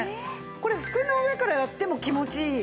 これ服の上からやっても気持ちいい。